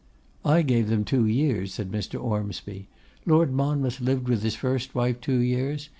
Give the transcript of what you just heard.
'I gave them two years,' said Mr. Ormsby. 'Lord Monmouth lived with his first wife two years.